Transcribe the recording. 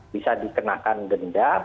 bisa dikenakan denda